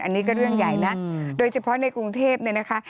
อันนี้ก็เรื่องใหญ่นะโดยเฉพาะในกรุงเทพเนี่ยนะคะ